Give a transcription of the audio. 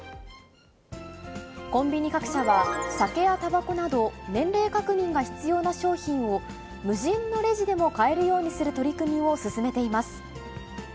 コンビニ各社は酒やたばこなど、年齢確認が必要な商品を、無人のレジでも買えるようにする取り組みを進めています。